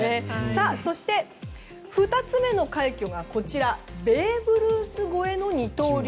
そして２つ目の快挙がベーブ・ルース越えの二刀流。